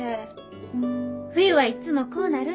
冬はいっつもこうなるんじゃ。